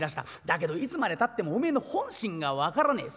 だけどいつまでたってもおめえの本心が分からねえ。